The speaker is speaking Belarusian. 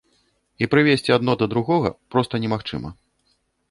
І прывесці адно да другога проста немагчыма.